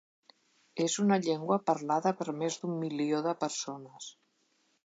És una llengua parlada per més d'un milió de persones.